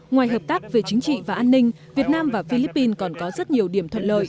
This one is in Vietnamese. ngoài hợp tác về chính trị và an ninh việt nam và philippines còn có rất nhiều điểm thuận lợi